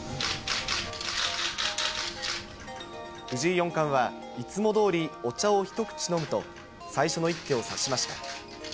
藤井四冠は、いつもどおりお茶を一口飲むと、最初の一手を指しました。